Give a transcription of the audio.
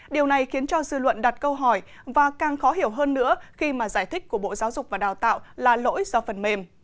điều này khiến cho dư luận đặt câu hỏi và càng khó hiểu hơn nữa khi mà giải thích của bộ giáo dục và đào tạo là lỗi do phần mềm